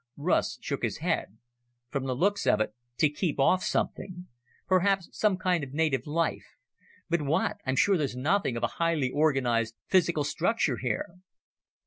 Russ shook his head. "From the looks of it, to keep off something. Perhaps some kind of native life. But what? I'm sure there's nothing of a highly organized physical structure here."